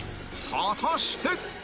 果たして